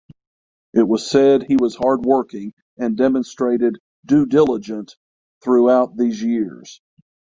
It was said he was hard working and demonstrated due diligent throughout these years.